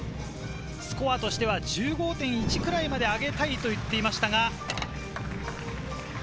スコアとしては１５．１くらいまで上げたいと言っていました。